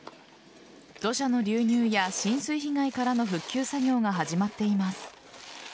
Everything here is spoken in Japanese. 土砂の流入や浸水被害からの復旧作業が始まっています。